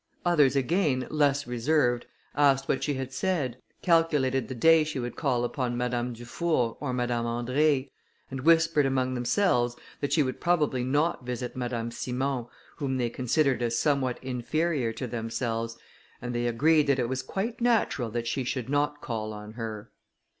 Others, again, less reserved, asked what she had said, calculated the day she would call upon Madame Dufour or Madame André, and whispered among themselves that she would probably not visit Madame Simon, whom they considered as somewhat inferior to themselves, and they agreed that it was quite natural that she should not call on her.